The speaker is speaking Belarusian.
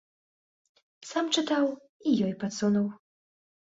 Сам чытаў і ёй падсунуў.